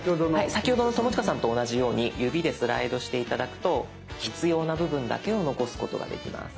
先ほどの友近さんと同じように指でスライドして頂くと必要な部分だけを残すことができます。